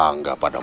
hanya ada satu